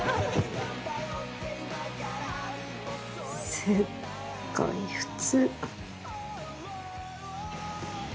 すっごい普通。